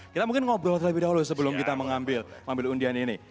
kita mungkin ngobrol terlebih dahulu sebelum kita mengambil undian ini